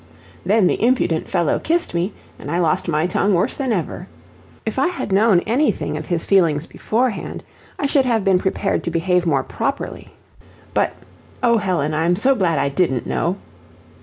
Then the impudent fellow kissed me, and I lost my tongue worse than ever. If I had known anything of his feelings beforehand, I should have been prepared to behave more properly; but O Helen, I'm so glad I DIDN'T know!